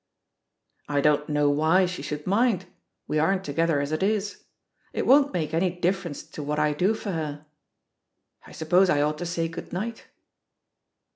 "I don't know why she should mind; we aren't together as it is. It won't make any difference to what I do for her. ••. I suppose I ought to say *good night'